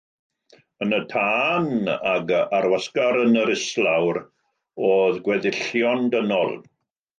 Yn y tân, ac ar wasgar yn yr islawr, oedd gweddillion dynol.